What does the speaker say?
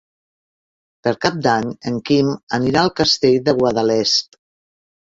Per Cap d'Any en Quim anirà al Castell de Guadalest.